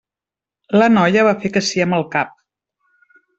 La noia va fer que sí amb el cap.